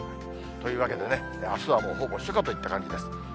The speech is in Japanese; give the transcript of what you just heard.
というわけでね、あすはもう、ほぼ初夏といった感じです。